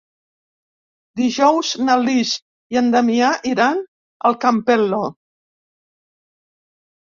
Dijous na Lis i en Damià iran al Campello.